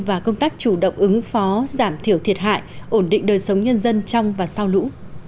và công tác chủ động ứng phó giảm thiểu thiệt hại ổn định đời sống nhân dân trong và sau lũ